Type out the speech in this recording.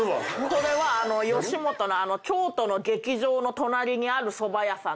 これは吉本の京都の劇場の隣にあるそば屋さんで。